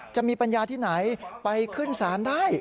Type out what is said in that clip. จะมีปัญญาที่ไหนไปขึ้นศาลได้